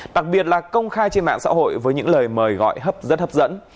đặc biệt là công khai trên mạng xã hội với những lời mời gọi rất hấp dẫn